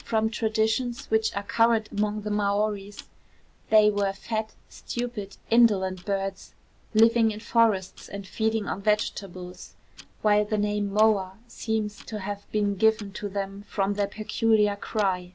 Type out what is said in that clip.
From traditions which are current among the Maoris, they were fat, stupid, indolent birds, living in forests and feeding on vegetables; while the name moa seems to have been given to them from their peculiar cry.